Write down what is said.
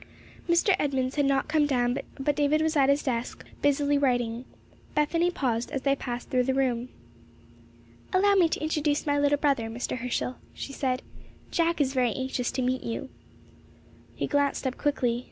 Mr. Edmunds had not come down, but David was at his desk, busily writing. Bethany paused as they passed through the room. "Allow me to introduce my little brother, Mr. Herschel," she said. "Jack is very anxious to meet you." He glanced up quickly.